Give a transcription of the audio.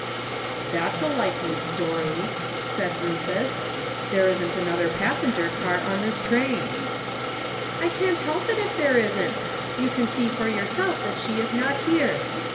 ''' "That's a likely story!'' t?aid Rufus. "There isn't another passenger car en this train." " I can't help i*^ if there isn't. You can see for yourself that she is not here.